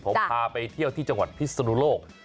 ผมพาไปเที่ยวที่จังหวัดพิศนุโลก